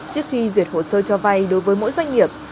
trước khi duyệt hồ sơ cho vay đối với mỗi doanh nghiệp